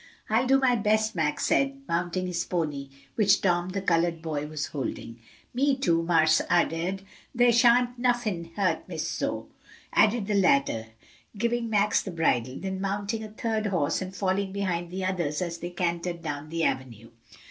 "I'll do my best," Max said, mounting his pony, which Tom the colored boy was holding. "Me, too, Marse Ed'ard, dere shan't nuffin hurt Miss Zoe," added the latter, giving Max the bridle, then mounting a third horse and falling behind the others as they cantered down the avenue.